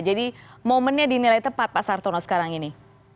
jadi momennya dinilai tepat pak sartono sekarang ini